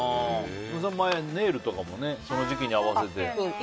前、ネイルとかもその時期に合わせてね。